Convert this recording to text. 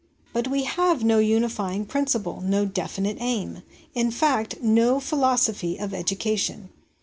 But we have no unifying principle, no definite aim ; in fact, no philosophy of education.